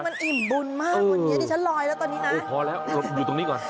มันอิ่มบุญมากวันนี้ดิฉันลอยแล้วตอนนี้นะพอแล้วอยู่ตรงนี้ก่อน